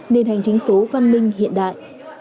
nên hành chính số văn minh hiện đại